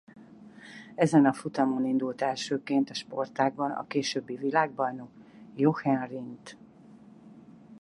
Ezen a futamon indult elsőként a sportágban a későbbi világbajnok Jochen Rindt.